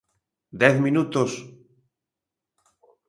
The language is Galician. ¡Dez minutos!